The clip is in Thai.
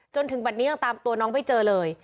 จนถึงวันนี้ตามตัวน้องไปเจอเลย